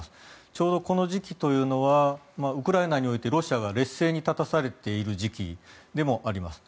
ちょうどこの時期というのはウクライナにおいてロシアが劣勢に立たされている時期でもあります。